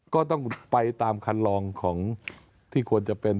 ก็ต้องไปตามคันลองของที่ควรจะเป็น